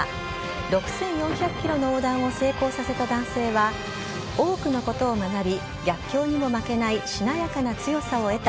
６４００キロの横断を成功させた男性は、多くのことを学び、逆境にも負けないしなやかな強さを得た。